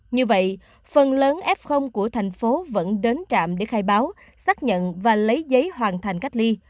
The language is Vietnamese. như vậy phần lớn f của thành phố vẫn đến trạm để khai báo xác nhận và lấy giấy hoàn thành cách ly